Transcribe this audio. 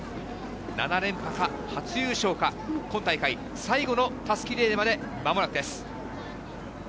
７連覇か初優勝か、今大会最後の襷リレーまで、まもなくです。